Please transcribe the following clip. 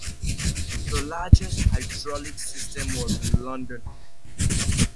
The largest hydraulic system was in London.